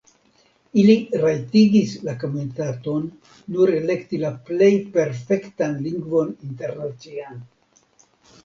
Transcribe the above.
Ili rajtigis la Komitaton nur elekti la plej perfektan lingvon internacian.